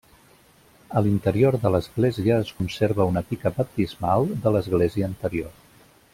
A l'interior de l'església es conserva una pica baptismal de l'església anterior.